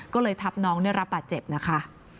ก็เลยทับน้องได้รับบาดเจ็บนะคะ